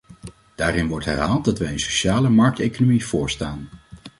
Daarin wordt herhaald dat wij een sociale markteconomie voorstaan.